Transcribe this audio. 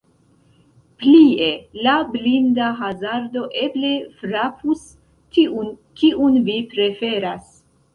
Plie la blinda hazardo eble frapus tiun, kiun vi preferas.